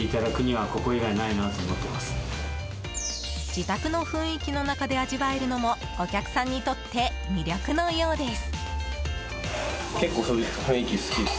自宅の雰囲気の中で味わえるのもお客さんにとって魅力のようです。